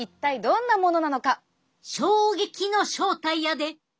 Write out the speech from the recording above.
衝撃の正体やで！